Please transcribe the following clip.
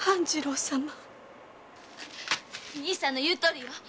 お兄さんの言うとおりよ。